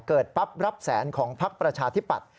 ปั๊บรับแสนของพักประชาธิปัตย